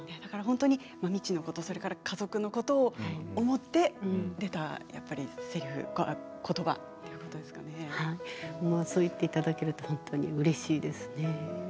未知のこと、家族のことを思って出たせりふそう言っていただけると本当にうれしいですね。